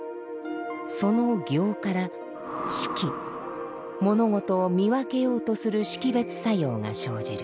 その「行」から「識」物事を見分けようとする識別作用が生じる。